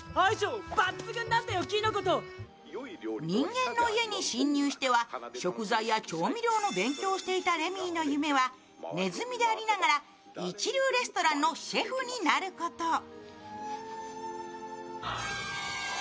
人間の家に侵入しては、食材や調味料の勉強をしていたレミーの夢は、ねずみでありながら一流レストランのシェフになること。